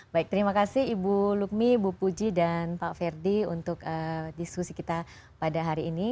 baik terima kasih ibu lukmi ibu puji dan pak ferdi untuk diskusi kita pada hari ini